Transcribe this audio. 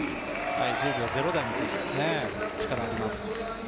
１０秒０台の選手ですね、力あります。